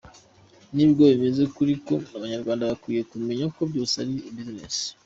N’ubwo bimeze uku ariko, abanyarwanda bakwiye kumenya ko byose ari business.